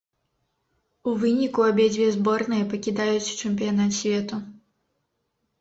У выніку, абедзве зборныя пакідаюць чэмпіянат свету.